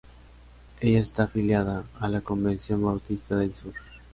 Ella está afiliada a la Convención Bautista del Sur.